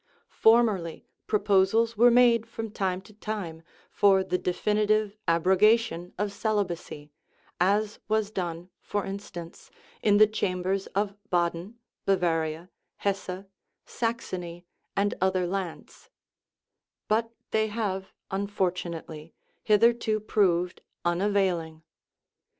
Formerly proposals were made from time to time for the definitive abrogation of celibacy, as was done, for instance, in the chambers of Baden, Ba varia, Hesse, Saxony, and other lands ; but they have, unfortunately, hitherto proved unavailing.